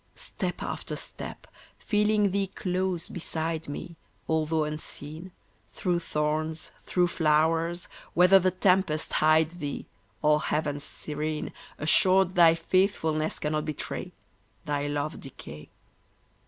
Step after step, feeling Thee close beside me, Although unseen, Through thorns, through flowers, whether the tempest hide Thee, Or heavens serene, Assured Thy faithfulness cannot betray, Thy love decay.